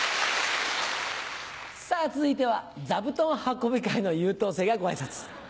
さぁ続いては座布団運び界の優等生がご挨拶。